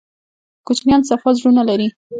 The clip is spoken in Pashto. کوچنیان صفا زړونه لري